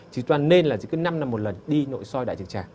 thì chúng ta nên là cứ năm năm một lần đi nội soi đại trường trà